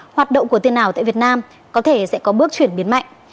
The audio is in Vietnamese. hoạt động của tiền ảo tại việt nam có thể sẽ có bước chuyển biến mạnh